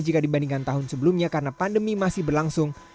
jika dibandingkan tahun sebelumnya karena pandemi masih berlangsung